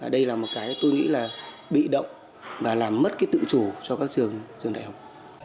đây là một cái tôi nghĩ là bị động và làm mất tự chủ cho các trường trường đại học